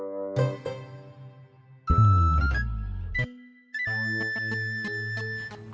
ini mah rizky anak soleh